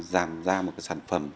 giảm ra một cái sản phẩm